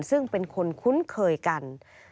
ซึ่งเป็นคนคุ้นเคยกัน